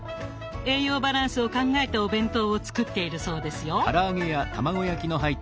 栄養バランスを考えたお弁当を作っているそうですよ。